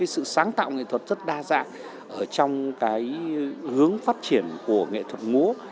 sự sáng tạo nghệ thuật rất đa dạng trong hướng phát triển của nghệ thuật múa